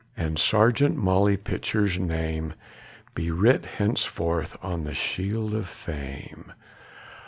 And Sergeant Molly Pitcher's name Be writ henceforth on the shield of fame!"